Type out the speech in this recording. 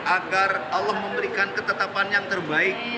agar allah memberikan ketetapan yang terbaik